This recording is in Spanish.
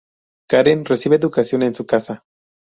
Karen recibe educación en su casa.